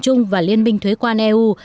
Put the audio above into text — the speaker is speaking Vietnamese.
chung và liên minh thuế quan eu